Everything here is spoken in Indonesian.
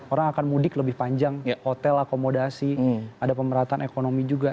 orang akan mudik lebih panjang hotel akomodasi ada pemerataan ekonomi juga